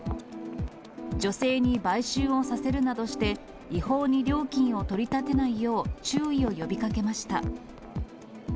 女性に売春をさせるなどして、違法に料金を取り立てないよう、注意を呼びかけました。